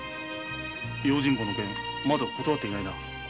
用心棒の件まだ断ってないな？